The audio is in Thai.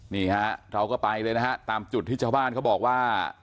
นี่ฮะเราก็ไปเลยนะฮะตามจุดที่ชาวบ้านเขาบอกว่า